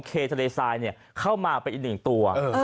เคทาเลไซน์เนี่ยเข้ามาเป็นอีกหนึ่งตัว